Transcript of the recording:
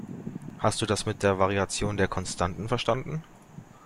Hast du das mit der Variation der Konstanten verstanden?